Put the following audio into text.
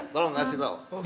tolong kasih tau